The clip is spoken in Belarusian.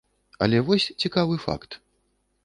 Але вось цікавы факт.